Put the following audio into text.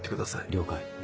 了解。